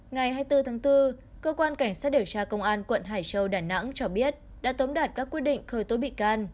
ngày hai mươi bốn tháng bốn cơ quan cảnh sát điều tra công an quận hải châu đà nẵng cho biết đã tống đạt các quyết định khởi tố bị can